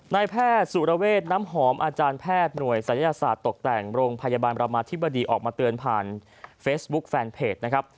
นายแพทย์สุรเวทน้ำหอมอาจารย์แพทย์หน่วยศัยศาสตร์ตกแต่งโรงพยาบาลประมาธิบดีออกมาเตือนผ่านเฟซบุ๊คแฟนเพจนะครับ